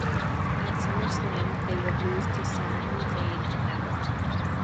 At SummerSlam, they would lose to Sami Zayn and Neville.